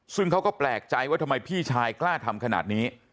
ซึ่งเขาก็แปลกใจว่าทำไมพี่ชายกล้าทำขนาดนี้